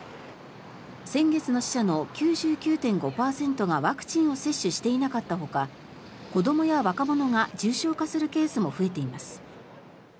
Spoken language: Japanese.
先月の死者の９９．５％がワクチンを接種していなかったほか子どもや若者が重症化するケースも増えています。